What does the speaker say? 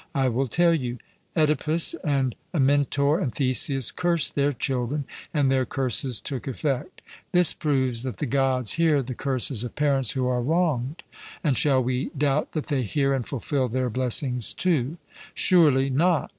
I will tell you. Oedipus and Amyntor and Theseus cursed their children, and their curses took effect. This proves that the Gods hear the curses of parents who are wronged; and shall we doubt that they hear and fulfil their blessings too?' 'Surely not.'